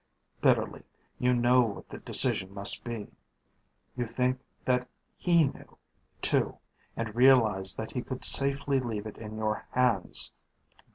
Bitterly, you know what the decision must be. You think that he knew, too, and realize that he could safely leave it in your hands.